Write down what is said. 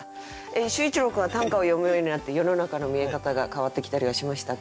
秀一郎君は短歌を詠むようになって世の中の見え方が変わってきたりはしましたか？